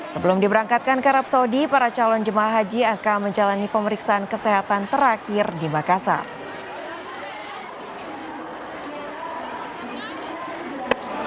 sebelum diberangkatkan ke arab saudi para calon jemaah haji akan menjalani pemeriksaan kesehatan terakhir di makassar